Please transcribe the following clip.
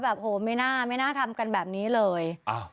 โหไม่น่าไม่น่าทำกันแบบนี้เลย